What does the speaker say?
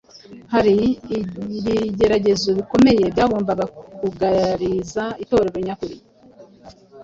Hari ibigeragezo bikomeye byagombaga kugariza Itorero nyakuri.